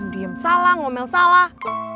diem salah ngomel salah